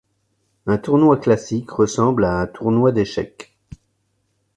Un tournoi classique ressemble à un tournoi d'échecs.